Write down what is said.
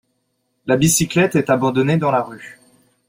La bicyclette est abandonnée dans la rue